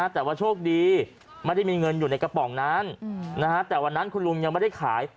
แต่ว่าโชคดีไม่ได้มีเงินอยู่ในกระป๋องนั้นแต่วันนั้นคุณลุงยังไม่ได้ขาย